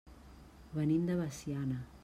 Venim de Veciana.